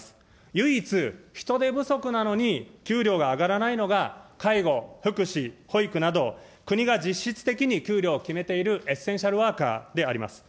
唯一、人手不足なのに給料が上がらないのが、介護・福祉・保育など、国が実質的に給料を決めているエッセンシャルワーカーであります。